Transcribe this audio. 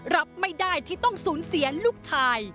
รับไม่ได้ที่ต้องสูญเสียลูกชาย